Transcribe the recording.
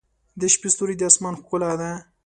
• د شپې ستوري د آسمان ښکلا ده.